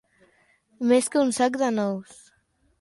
Més que un sac de nous.